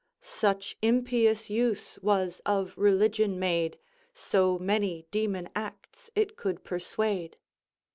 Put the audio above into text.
"Such impious use was of religion made, So many demon acts it could persuade."